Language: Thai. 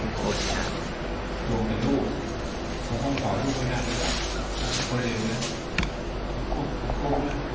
ลูกจะรู้